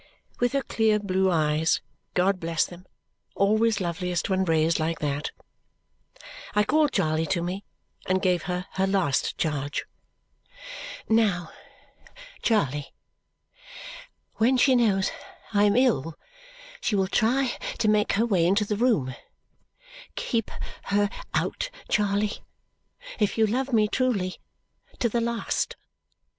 With her blue clear eyes, God bless them, always loveliest when raised like that! I called Charley to me and gave her her last charge. "Now, Charley, when she knows I am ill, she will try to make her way into the room. Keep her out, Charley, if you love me truly, to the last!